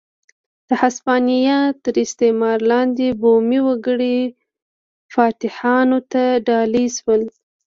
د هسپانیا تر استعمار لاندې بومي وګړي فاتحانو ته ډالۍ شول.